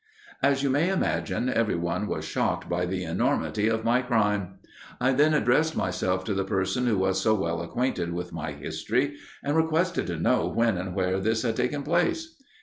As you may imagine, every one was shocked by the enormity of my crime. I then addressed myself to the person who was so well acquainted with my history, and requested to know when and where this had taken place.